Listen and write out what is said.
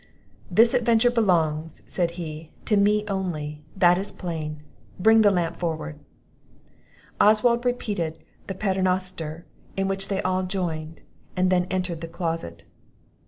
"This adventure belongs," said he, "to me only; that is plain bring the lamp forward." Oswald repeated the paternoster, in which they all joined, and then entered the closet.